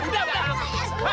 udah udah udah